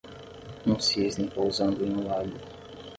Um cisne pousando em um lago.